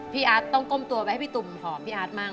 พี่อาร์ตต้องก้มตัวไปให้พี่ตุ่มหอมพี่อาร์ดมั่ง